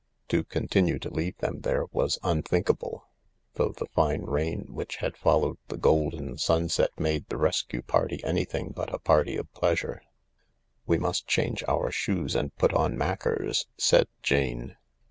To continue to 198 THE LARK leave them there was unthinkable — though the fine rain which had followed the golden sunset made the rescue party any* thing but a party of pleasure. " We must change our shoes and put on mackers," said Jane.